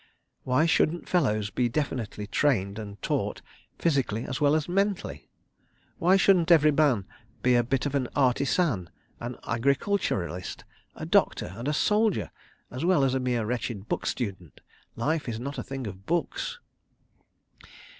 Why shouldn't fellows be definitely trained and taught, physically as well as mentally? Why shouldn't every man be a bit of an artisan, an agriculturalist, a doctor, and a soldier, as well as a mere wretched book student? Life is not a thing of books.